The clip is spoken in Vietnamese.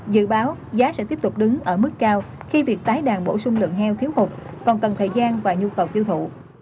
dự báo giá sẽ tiếp tục đứng ở mức cao khi việc tái đàn bổ sung lượng heo thiếu hụt còn cần thời gian và nhu cầu tiêu thụ